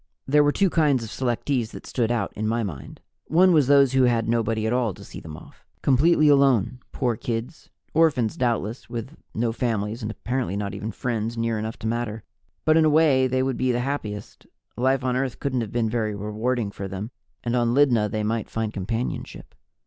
There were two kinds of selectees that stood out, in my mind. One was those who had nobody at all to see them off. Completely alone, poor kids orphans, doubtless, with no families and apparently not even friends near enough to matter. But, in a way, they would be the happiest; life on Earth couldn't have been very rewarding for them, and on Lydna they might find companionship.